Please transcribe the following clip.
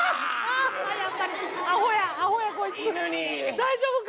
大丈夫か。